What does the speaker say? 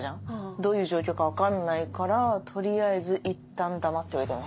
どういう状況か分かんないから取りあえずいったん黙っておいたよね。